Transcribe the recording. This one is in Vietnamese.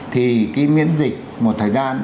thì cái miễn dịch một thời gian